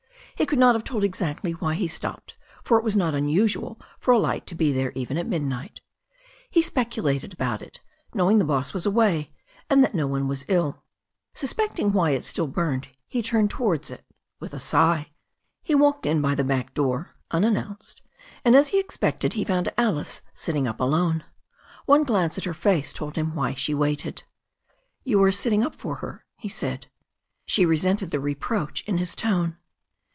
He could not have told exactly why he stopped, for it was not unusual for a light to be there even at midnight He speculated about it, know ing the boss was away, and that no one was ill. Suspecting why it still burned, he turned towards it with a sigh. He walked in by the back door unannounced, and, as he expected, he found Alice sitting up alone. One glance at her face told him why she waited. "You are sitting up for her," he said. She resented the reproach in his tone.